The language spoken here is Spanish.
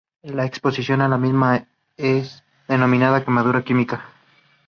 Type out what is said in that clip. La exposición a la misma es denominada quemadura química.